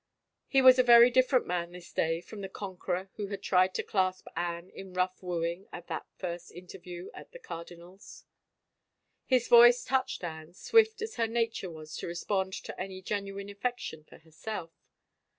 He was a very different man this day from the conqueror who had tried to clasp Anne in rough wooing at that first interview at the cardinal's. His voice touched Anne, swift as her nature was to respond to any genuine affection for herself.